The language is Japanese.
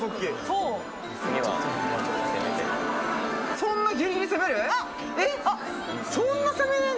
そんなギリギリ攻める？